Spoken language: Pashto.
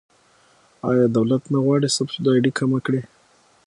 آیا دولت نه غواړي سبسایډي کمه کړي؟